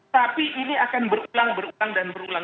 tapi ini akan berulang berulang dan berulang